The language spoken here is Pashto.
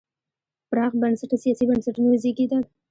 پراخ بنسټه سیاسي بنسټونه وزېږېدل.